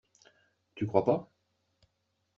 Tu crois pas?